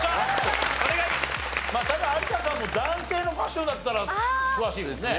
まあただ有田さんも男性のファッションだったら詳しいですね。